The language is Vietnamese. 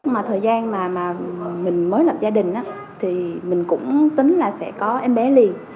mà thời gian mà mình mới lập gia đình thì mình cũng tính là sẽ có em bé liền